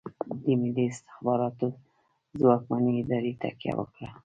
د ملي استخباراتو پر ځواکمنې ادارې تکیه وکړه.